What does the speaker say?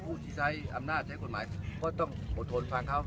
ผู้ที่ใช้อำนาจใช้กฎหมายก็ต้องอดทนฟังเขา